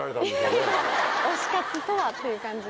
推し活とはっていう感じで。